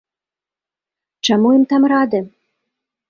Чаму ім там рады?